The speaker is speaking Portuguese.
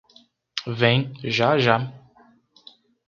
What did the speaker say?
Vem, já, já...